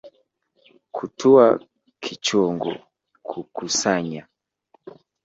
"Kutua kichungu, kukusanya,"